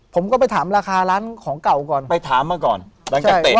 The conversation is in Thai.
ผมก็ไปถามราคาร้านของเก่าก่อนไปถามมาก่อนหลังจากเตะ